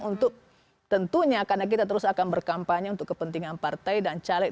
untuk tentunya karena kita terus akan berkampanye untuk kepentingan partai dan caleg